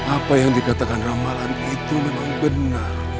apa yang dikatakan ramalan itu memang benar